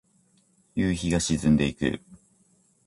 夕日が沈んでいく。